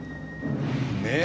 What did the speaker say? ねえ。